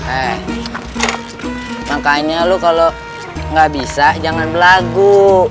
eh makanya lo kalau nggak bisa jangan berlagu